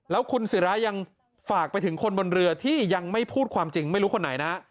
แล้วคุณศิรายังฝากไปถึงคนบนเรือที่ยังไม่พูดความจริงไม่รู้คนไหนนะ